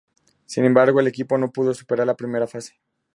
Sin embargo, el equipo no pudo superar la primera fase.